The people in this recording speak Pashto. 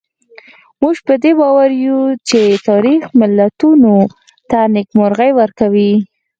موږ په دې باور یو چې تاریخ ملتونو ته نېکمرغي ورکوي.